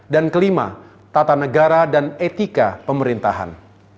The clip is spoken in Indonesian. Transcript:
dan kelima tata negara dan etika pemerintahan